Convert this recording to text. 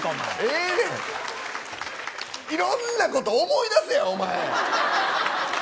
いろんなこと思い出すやろ、おまえ。